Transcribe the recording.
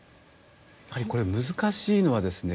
やはりこれ難しいのはですね